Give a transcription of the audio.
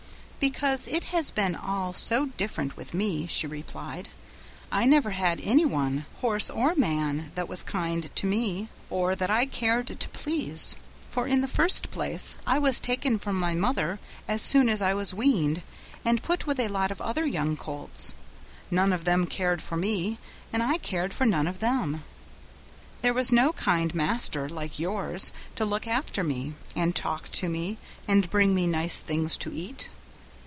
"Because it has been all so different with me," she replied. "I never had any one, horse or man, that was kind to me, or that I cared to please, for in the first place I was taken from my mother as soon as I was weaned, and put with a lot of other young colts; none of them cared for me, and I cared for none of them. There was no kind master like yours to look after me, and talk to me, and bring me nice things to eat.